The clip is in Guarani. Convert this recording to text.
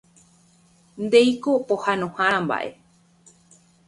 Ndéiko pohãnohára mba'e.